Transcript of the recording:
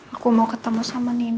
aku mau ketemu sama nina